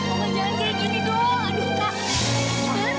oma jangan kayak gini dong